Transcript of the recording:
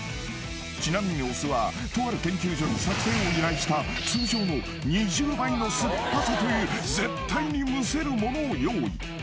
［ちなみにお酢はとある研究所に作製を依頼した通常の２０倍の酸っぱさという絶対にむせるものを用意］